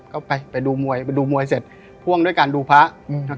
ก็ไปไปดูมวยไปดูมวยเสร็จพ่วงด้วยการดูพระอืม